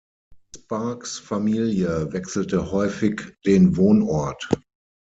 Sparks’ Familie wechselte häufig den Wohnort.